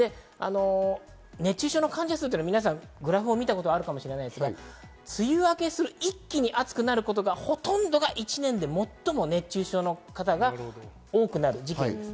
熱中症の患者数、皆さんグラフを見たことあるかもしれませんが、梅雨明けする、一気に暑くなることが１年で最も熱中症の方が多くなる時期です。